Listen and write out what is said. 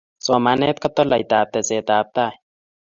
Somanet ko toloitab tesetab tai